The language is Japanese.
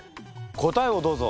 答えをどうぞ。